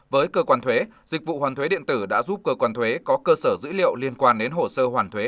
với cơ quan thuế dịch vụ hoàn thuế điện tử đã giúp cơ quan thuế có cơ sở dữ liệu liên quan đến hồ sơ hoàn thuế